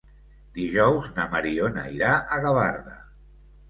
Dijous na Mariona irà a Gavarda.